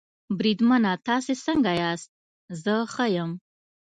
بریدمنه تاسې څنګه یاست؟ زه ښه یم.